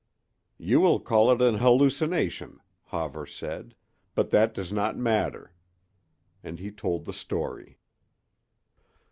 "You will call it an hallucination," Hawver said, "but that does not matter." And he told the story.